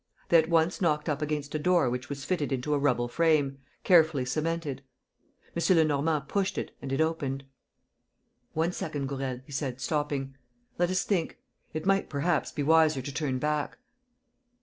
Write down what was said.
They at once knocked up against a door which was fitted into a rubble frame, carefully cemented. M. Lenormand pushed it and it opened. "One second, Gourel," he said, stopping. "Let us think. ... It might perhaps be wiser to turn back."